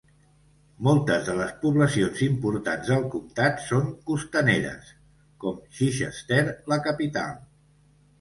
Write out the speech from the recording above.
Moltes de les poblacions importants del comtat són costaneres, com Chichester, la capital.